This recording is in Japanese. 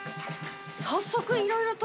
早速いろいろと。